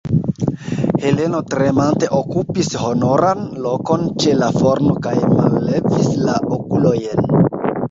Heleno tremante okupis honoran lokon ĉe la forno kaj mallevis la okulojn.